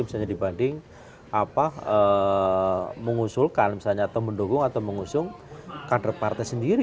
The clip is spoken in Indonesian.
misalnya dibanding mengusulkan misalnya atau mendukung atau mengusung kader partai sendiri